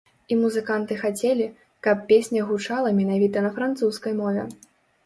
І музыканты хацелі, каб песня гучала менавіта на французскай мове.